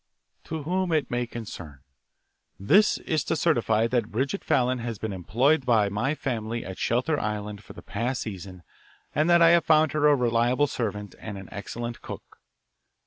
To whom it may concern: This is to certify that Bridget Fallon has been employed in my family at Shelter Island for the past season and that I have found her a reliable servant and an excellent cook.